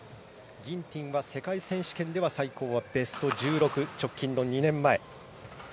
ギンティンは世界選手権では最高はベスト１６直近の２年前。